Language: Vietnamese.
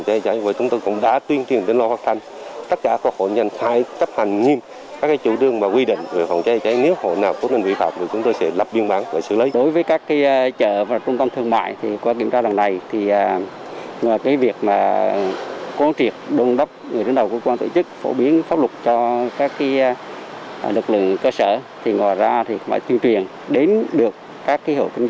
thì chúng tôi cũng đã tuyên truyền đến lo hoặc thanh các hội nhanh khai cấp hành nhiêm các chủ đương và quy định về phòng cháy chữa cháy nếu hội nào cố tình vi phạm thì chúng tôi cũng đã tuyên truyền đến lo hoặc thanh